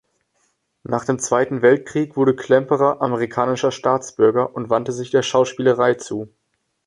Nach dem Zweiten Weltkrieg wurde Klemperer amerikanischer Staatsbürger und wandte sich der Schauspielerei zu.